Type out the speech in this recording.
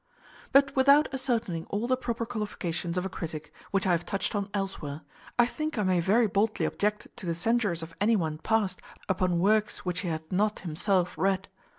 But without ascertaining all the proper qualifications of a critic, which I have touched on elsewhere, I think I may very boldly object to the censures of any one past upon works which he hath not himself read.